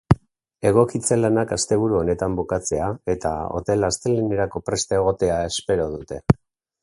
Egokitze lanak asteburu honetan bukatzea, eta hotela astelehenerako prest egotea espero dute.